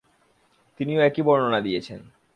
তিনিও একই বর্ণনা দিয়েছেন।